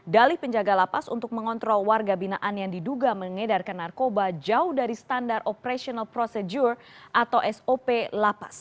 dalih penjaga lapas untuk mengontrol warga binaan yang diduga mengedarkan narkoba jauh dari standar operational procedure atau sop lapas